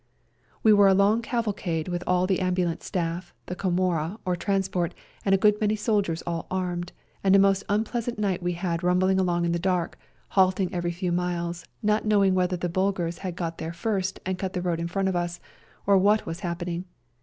We were a long cavalcade with all the ambulance staff, the Komorra or transport, and a good many soldiers all 34 A SERBIAN AMBULANCE armed, and a most unpleasant night we had rumbhng along in the dark, halting every few miles, not knowing whether the Bulgars had got there first and cut the road in front of us, or what was hap pening.